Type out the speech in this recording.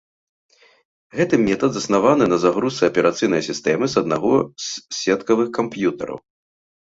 Гэты метад заснаваны на загрузцы аперацыйнай сістэмы з аднаго з сеткавых камп'ютараў.